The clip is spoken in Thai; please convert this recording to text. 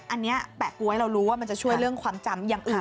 อันนี้แปะก๊วยเรารู้ว่ามันจะช่วยเรื่องความจำอย่างอื่น